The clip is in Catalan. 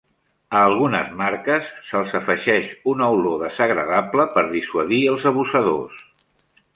A algunes marques se'ls afegeix una olor desagradable per dissuadir els abusadors.